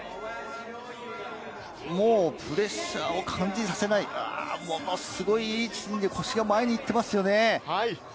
もうプレッシャーを感じさせない、ものすごいいい姿勢、腰が前に行っていますよね。